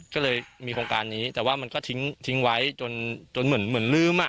ก็เลยมีโครงการนี้แต่ว่ามันก็ทิ้งไว้จนเหมือนลืมอ่ะ